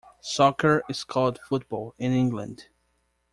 Soccer is called Football in England.